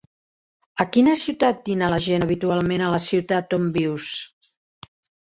A quina ciutat dina la gent habitualment a la ciutat on vius?